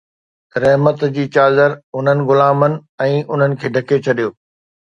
رحمت جي چادر انهن غلامن ۽ انهن کي ڍڪي ڇڏيو